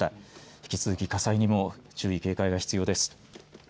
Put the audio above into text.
引き続き火災にも注意、警戒が必要です。